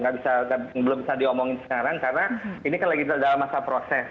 belum bisa diomongin sekarang karena ini kan lagi dalam masa proses